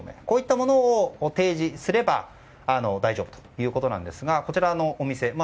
こういったものを提示すれば大丈夫ということなんですがこちらのお店